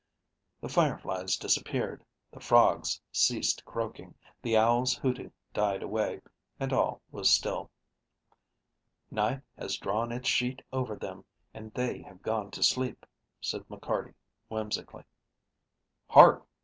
The fireflies disappeared, the frogs ceased croaking, the owls' hooting died away, and all was still. "Night has drawn its sheet over them, and they have gone to sleep," said McCarty whimsically. "Hark!"